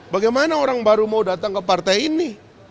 bagaimana orang baru mau datang ke partai ini